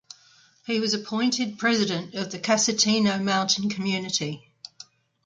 He was appointed president of the Casentino mountain community.